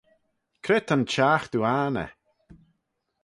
Cre ta'n çhiaghtoo anney?